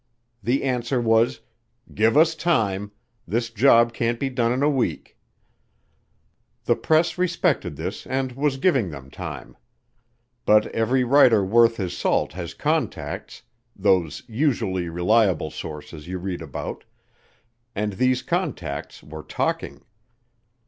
The answer was, "Give us time. This job can't be done in a week." The press respected this and was giving them time. But every writer worth his salt has contacts, those "usually reliable sources" you read about, and these contacts were talking.